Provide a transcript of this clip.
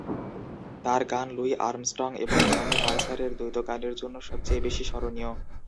তার গান Louis Armstrong এবং জনি মার্সারের দ্বৈত গানের জন্য সবচেয়ে বেশি স্মরণীয়।